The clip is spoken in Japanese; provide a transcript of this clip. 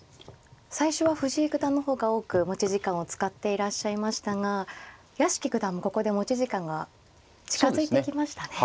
最初は藤井九段の方が多く持ち時間を使っていらっしゃいましたが屋敷九段もここで持ち時間が近づいてきましたね。